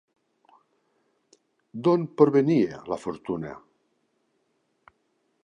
D'on provenia la fortuna?